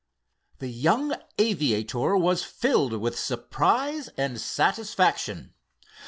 The young aviator was filled with surprise and satisfaction.